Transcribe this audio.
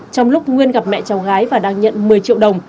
trong lúc nguyên gặp mẹ cháu gái và đang nhận một mươi triệu đồng